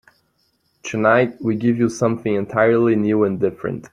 Tonight we give you something entirely new and different.